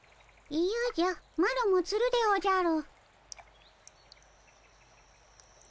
いやじゃマロもつるでおじゃる。